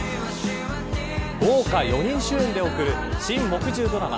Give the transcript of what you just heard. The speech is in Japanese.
豪華４人主演で送る新、木１０ドラマ